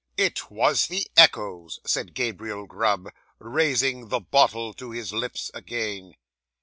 '"It was the echoes," said Gabriel Grub, raising the bottle to his lips again.